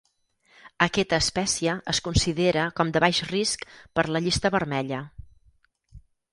Aquesta espècie es considera com de Baix Risc per la Llista Vermella.